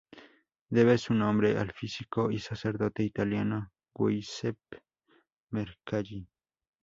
Debe su nombre al físico y sacerdote italiano Giuseppe Mercalli.